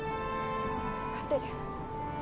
わかってる。